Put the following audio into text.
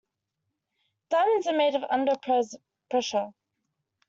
Diamonds are made under pressure.